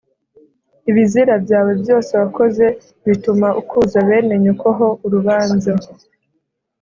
ibizira byawe byose wakoze bituma ukuza bene nyoko ho urubanza